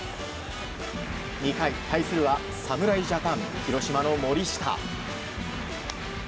２回、対するは侍ジャパン広島の森下。